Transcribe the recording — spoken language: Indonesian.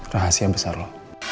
rahasia besar lo